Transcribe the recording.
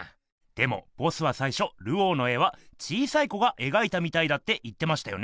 でもボスはさいしょルオーの絵は小さい子がえがいたみたいだって言ってましたよね？